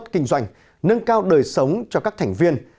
kinh doanh nâng cao đời sống cho các thành viên